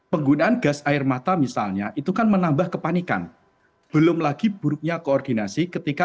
penggunaan gas air mata misalnya itu kan menambah kepanikan belum lagi buruknya koordinasi ketika